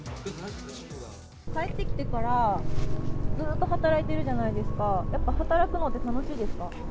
帰ってきてから、ずっと働いてるじゃないですか、やっぱ働くのって楽しいですか？